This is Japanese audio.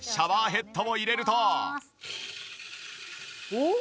おっ？